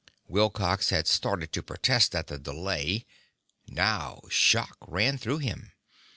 Wilcox had started to protest at the delay. Now shock ran through him.